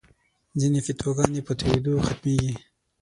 ځینې فتواګانې په تویېدو ختمېږي.